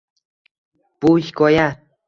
Bu hikoya.